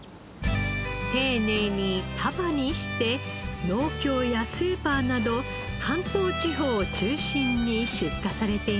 丁寧に束にして農協やスーパーなど関東地方を中心に出荷されています。